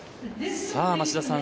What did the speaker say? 町田さん